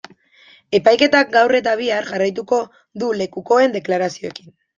Epaiketak gaur eta bihar jarraituko du lekukoen deklarazioekin.